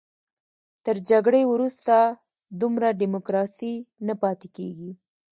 تر جګړې وروسته دومره ډیموکراسي نه پاتې کېږي.